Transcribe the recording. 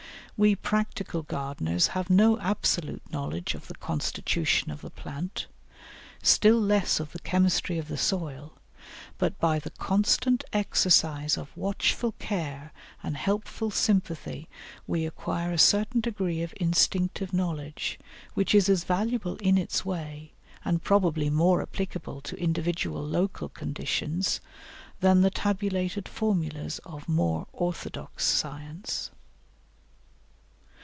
We practical gardeners have no absolute knowledge of the constitution of the plant, still less of the chemistry of the soil, but by the constant exercise of watchful care and helpful sympathy we acquire a certain degree of instinctive knowledge, which is as valuable in its way, and probably more applicable to individual local conditions, than the tabulated formulas of more orthodox science.